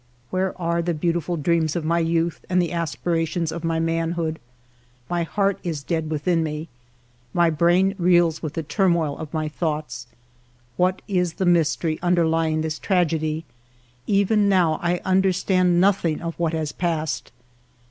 Where are the beautiful dreams of my youth no FIVE YEARS OF MY LIFE and the aspirations of my manhood ? My heart is dead within me ; my brain reels with the turmoil of my thoughts. What is the mystery underly ing this tragedy? Even now I understand noth ing of what has passed.